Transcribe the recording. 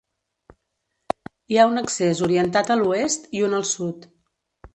Hi ha un accés orientat a l'oest i un al sud.